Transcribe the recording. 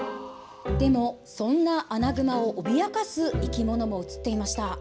でも、そんなアナグマを脅かす生き物も映っていました。